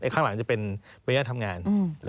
ข้างหลังจะเป็นอนุญาตทำงาน